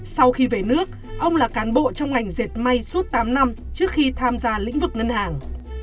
sau khi về nước ông là cán bộ trong ngành dệt may suốt tám năm trước khi tham gia lĩnh vực ngân hàng